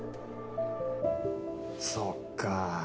そっかぁ